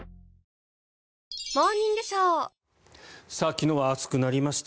昨日は暑くなりました。